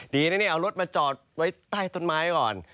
ดีนะเนี่ยเอารถมาจอดไว้ใต้ต้นไม้ก่อน